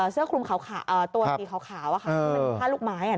เสื้อคลุมตัวนี้ขาวคือผ้าลูกไม้